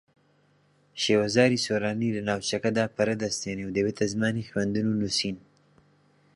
شێوەزاری سۆرانی لە ناوچەکەدا پەرە دەستێنێ و دەبێتە زمانی خوێندن و نووسین